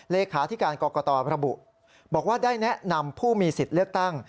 เลขาธิการกรกตระบุบอกว่าได้แนะนำผู้มีสิทธิ์เลือกตั้ง